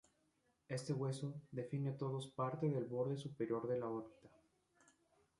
Este hueso define todos parte del borde superior de la órbita.